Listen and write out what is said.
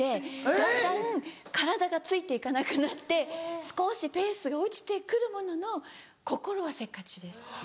だんだん体がついて行かなくなって少しペースが落ちて来るものの心はせっかちです。